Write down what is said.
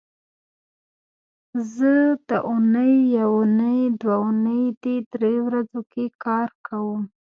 زه د اونۍ یونۍ او دونۍ دې درې ورځو کې کار کوم